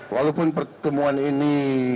walaupun pertemuan ini